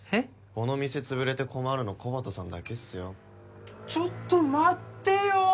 この店潰れて困るのコバトさんだけっすよちょっと待ってよ